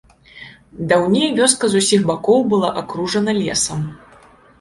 Даўней вёска з усіх бакоў была акружана лесам.